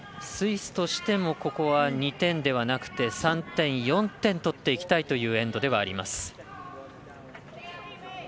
スイスとしてもここは２点ではなくて３点、４点取っていきたいエンドではあります。